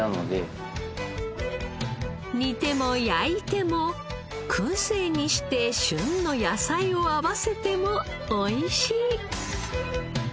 煮ても焼いても燻製にして旬の野菜を合わせてもおいしい。